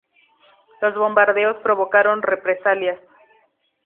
Los bombardeos provocaron represalias.